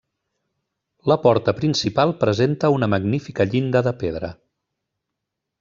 La porta principal presenta una magnífica llinda de pedra.